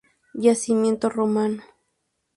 Yacimiento romano.